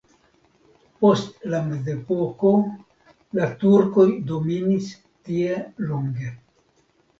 Post la mezepoko la turkoj dominis tie longe.